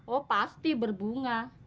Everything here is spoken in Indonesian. oh pasti berbunga